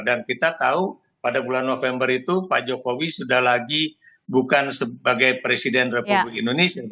dan kita tahu pada bulan november itu pak jokowi sudah lagi bukan sebagai presiden republik indonesia